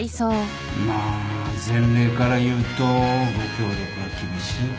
まあ前例からいうとご協力は厳しいかなと